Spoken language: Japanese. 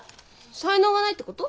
才能がないってこと？